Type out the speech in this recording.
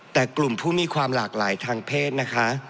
แต่กลุ่มผู้มีความหลากหลายทางเพศนะคะ